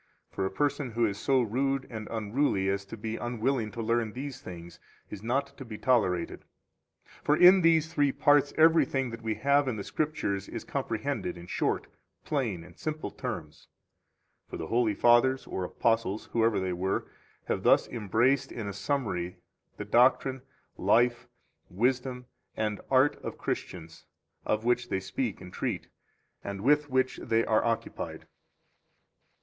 18 For a person who is so rude and unruly as to be unwilling to learn these things is not to be tolerated; for in these three parts everything that we have in the Scriptures is comprehended in short, plain, and simple terms. 19 For the holy Fathers or apostles (whoever they were) have thus embraced in a summary the doctrine, life, wisdom, and art of Christians, of which they speak and treat, and with which they are occupied.